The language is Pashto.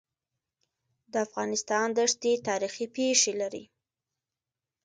د افغانستان دښتي تاریخي پېښې لري.